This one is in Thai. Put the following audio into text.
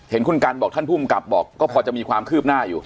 เห็นคุณกันบอกท่านภูมิกับบอกก็พอจะมีความคืบหน้าอยู่